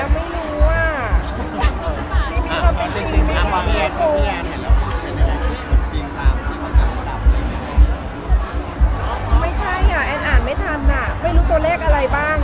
พี่แอดพี่แอดไม่ใช่อ่ะแอดอ่านไม่ทันอ่ะไม่รู้ตัวเลขอะไรบ้าง